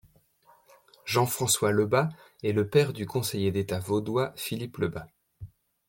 Jean-François Leuba est le père du conseiller d'état vaudois Philippe Leuba.